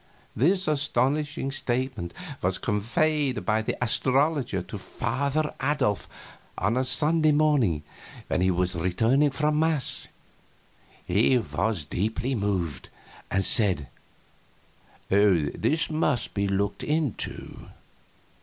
This astonishing statement was conveyed by the astrologer to Father Adolf on a Sunday morning when he was returning from mass. He was deeply moved, and said: "This must be looked into."